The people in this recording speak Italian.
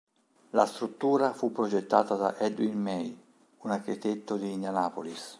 La struttura fu progettata da Edwin May, un architetto di Indianapolis.